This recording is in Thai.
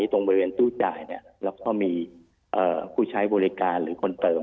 ตรงบริเวณตู้จ่ายแล้วก็มีผู้ใช้บริการหรือคนเติม